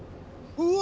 うわ！